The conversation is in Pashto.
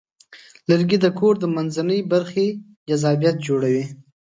لرګی د کور د منځنۍ برخې جذابیت جوړوي.